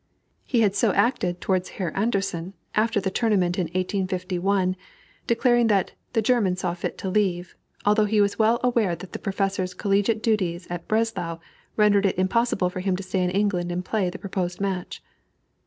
He had so acted towards Herr Anderssen after the tournament in 1851, declaring that "the German saw fit to leave," although he was well aware that the Professor's collegiate duties at Breslau rendered it impossible for him to stay in England and play the proposed match.